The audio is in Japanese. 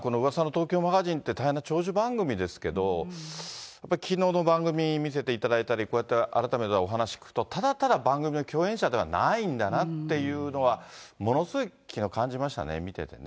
東京マガジンって大変な長寿番組ですけど、きのうの番組見せていただいたり、こうやって改めてお話聞くと、ただただ番組の共演者ではないんだなっていうのは、ものすごいきのう感じましたね、見ててね。